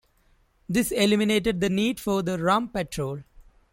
This eliminated the need for the Rum Patrol.